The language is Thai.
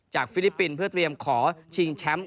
ฟิลิปปินส์เพื่อเตรียมขอชิงแชมป์